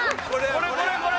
これこれこれ！